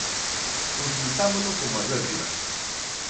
Consultámolo con Manuel Rivas.